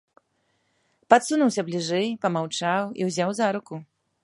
Падсунуўся бліжэй, памаўчаў і ўзяў за руку.